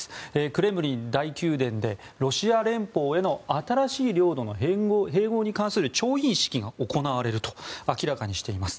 クレムリン大宮殿でロシア連邦への新しい領土の併合に関する調印式が行われると明らかにしています。